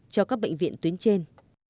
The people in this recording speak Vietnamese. cho các bệnh viện tuyến trên